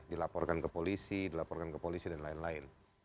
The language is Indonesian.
dilaporkan ke polisi dilaporkan ke polisi dan lain lain